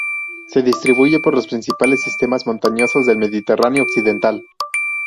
Se distribuye por los principales sistemas montañosos del Mediterráneo occidental.